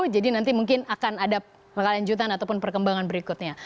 jadi nanti mungkin akan ada kelanjutan ataupun perkembangan berikutnya